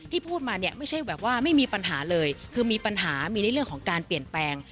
พูดมาเนี่ยไม่ใช่แบบว่าไม่มีปัญหาเลยคือมีปัญหามีในเรื่องของการเปลี่ยนแปลง